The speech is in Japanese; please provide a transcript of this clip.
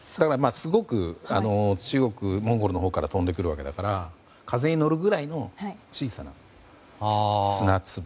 すごく中国、モンゴルのほうから飛んでくるわけだから風に乗るぐらいの小さな砂粒。